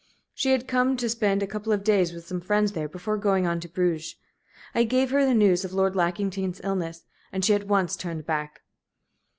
"She had come to spend a couple of days with some friends there before going on to Bruges. I gave her the news of Lord Lackington's illness, and she at once turned back.